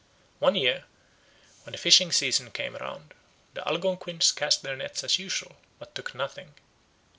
One year, when the fishing season came round, the Algonquins cast their nets as usual, but took nothing.